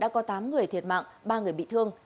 có tám người thiệt mạng ba người bị thương